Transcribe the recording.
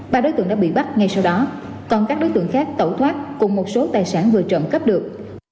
ba đối tượng đã bị bắt ngay sau đó còn các đối tượng khác tẩu thoát cùng một số tài sản vừa trộm cắp được